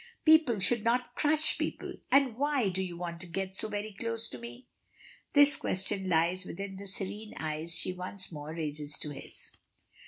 "People should not crush people. And why do you want to get so very close to me?" This question lies within the serene eyes she once more raises to his.